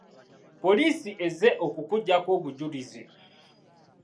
Poliisi ezze okukuggyako obujulizi.